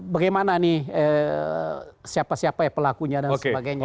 bagaimana nih siapa siapa ya pelakunya dan sebagainya